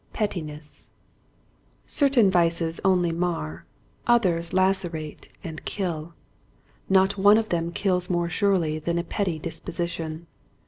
Pettiness, Certain vices only mar, others lacerate and kill. Not one of them kills more surely than a petty disposition.